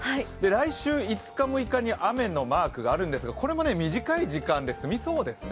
来週５日、６日に雨のマークがあるんですがこれも短い時間で済みそうですね。